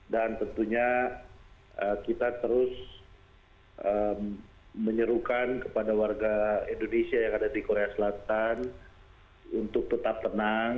dan tentunya kita terus menyerukan kepada warga indonesia yang ada di korea selatan untuk tetap tenang